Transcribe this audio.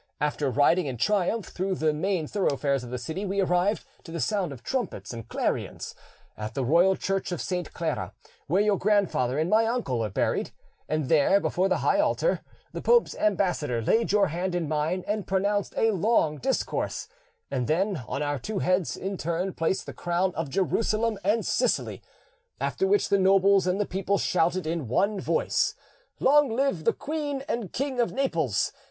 After riding in triumph through the main thoroughfares of the city, we arrived, to the sound of trumpets and clarions, at the royal church of Saint Clara, where your grandfather and my uncle are buried, and there, before the high altar, the pope's ambassador laid your hand in mine and pronounced a long discourse, and then on our two heads in turn placed the crown of Jerusalem and Sicily; after which the nobles and the people shouted in one voice, 'Long live the King and Queen of Naples!